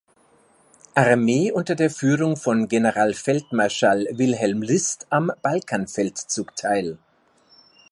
Armee unter der Führung von Generalfeldmarschall Wilhelm List am Balkanfeldzug teil.